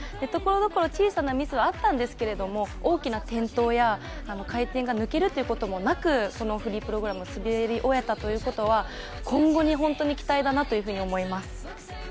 ところどころ小さなミスはあったんですけれども、大きな転倒や回転が抜けるということもなくこのフリープログラムを滑り終えたということは今後に本当に期待だなと思います。